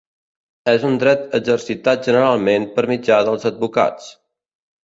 És un dret exercitat generalment per mitjà dels advocats.